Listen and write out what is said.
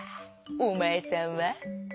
おまえさんは？」。